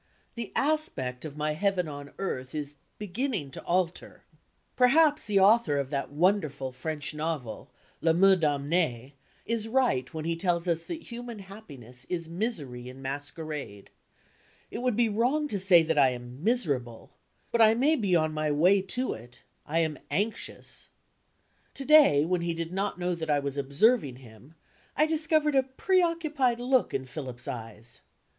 The aspect of my heaven on earth is beginning to alter. Perhaps the author of that wonderful French novel, "L'Ame Damne'e," is right when he tells us that human happiness is misery in masquerade. It would be wrong to say that I am miserable. But I may be on the way to it; I am anxious. To day, when he did not know that I was observing him, I discovered a preoccupied look in Philip's eyes.